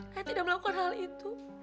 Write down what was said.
saya tidak melakukan hal itu